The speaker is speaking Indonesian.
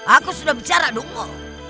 aku sudah bicara dulu